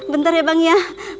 bentar ya bang ya